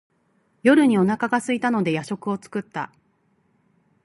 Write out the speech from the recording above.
夜にお腹がすいたので夜食を作った。